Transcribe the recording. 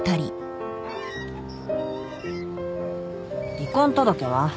離婚届は？